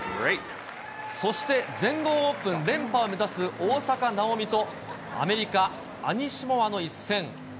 そして、全豪オープン連覇を目指す大坂なおみと、アメリカ、アニシモワの一戦。